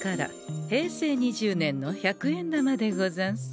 平成２０年の百円玉でござんす。